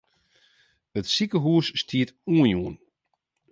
It sikehûs stiet oanjûn.